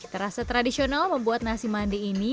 terasa tradisional membuat nasi mandi ini